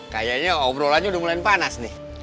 kayaknya obrolannya udah mulai panas nih